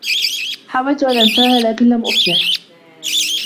حاولت أن أنساها، لكن لم أُفلِح.